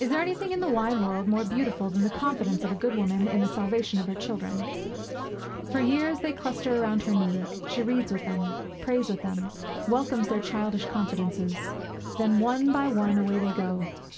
Is there anything in the wide world more beautiful than the confidence of a good woman in the salvation of her children? For years they cluster round her knee; she reads with them; prays with them; welcomes their childish confidences. Then, one by one, away they go!